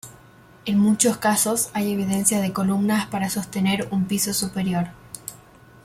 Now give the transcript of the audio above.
En muchos casos hay evidencia de columnas para sostener un piso superior.